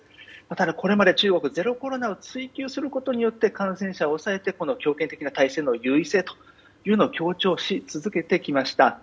ただ、これまで中国ゼロコロナを追求することによって感染者を抑えて強権的な体制の優位性を強調し続けてきました。